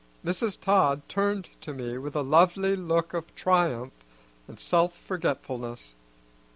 Mrs. Todd turned to me with a lovely look of triumph and self forgetfulness.